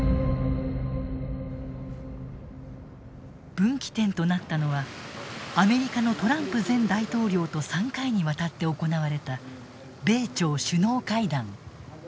分岐点となったのはアメリカのトランプ前大統領と３回にわたって行われた米朝首脳会談。